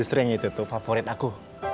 istri yang itu tuh favorit aku